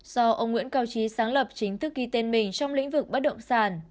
do ông nguyễn cao trí sáng lập chính thức ghi tên mình trong lĩnh vực bất động sản